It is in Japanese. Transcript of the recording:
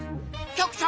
局長！